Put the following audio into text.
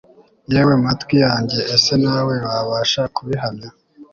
yewe matwi yanjye ese nawe wabasha kubihamya